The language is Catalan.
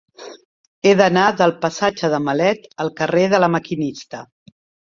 He d'anar del passatge de Malet al carrer de La Maquinista.